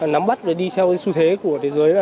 nắm bắt và đi theo su thế của thế giới